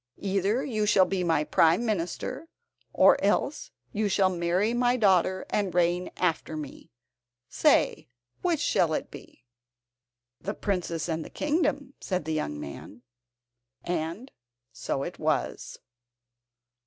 Either you shall be my Prime Minister, or else you shall marry my daughter and reign after me. Say, which shall it be?" "The princess and the kingdom," said the young man. And so it was.